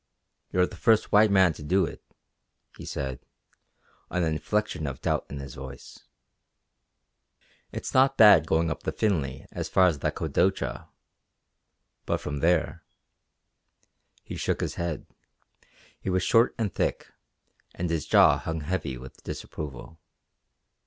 "You're the first white man to do it," he said an inflection of doubt in his voice. "It's not bad going up the Finly as far as the Kwadocha. But from there...." He shook his head. He was short and thick, and his jaw hung heavy with disapproval.